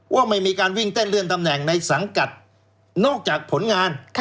ว่าไม่มีการวิ่งเต้นเลื่อนตำแหน่งในสังกัดนอกจากผลงาน